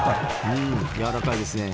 うん柔らかいですね。